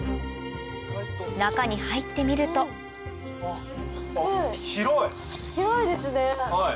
中に入ってみると広いですね。